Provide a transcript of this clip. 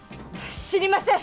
知りません！